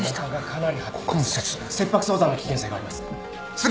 切迫早産の危険性があります。